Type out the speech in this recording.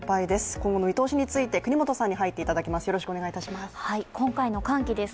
今後の見通しについて、國本さんに入っていただきます。